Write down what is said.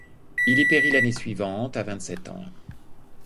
Il y périt l'année suivante, à vingt-sept ans.